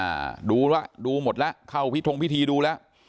อ่าดูแล้วดูหมดแล้วเข้าพิธงพิธีดูแล้ว